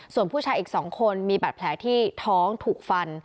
ส่วนผู้ชายอีก๒คนมีบาดแผลที่ท้องถูกฟัน